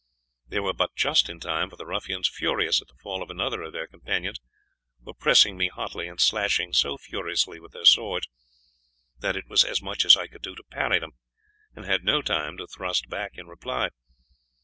They were but just in time, for the ruffians, furious at the fall of another of their companions, were pressing me hotly, and slashing so furiously with their swords that it was as much as I could do to parry them, and had no time to thrust back in reply.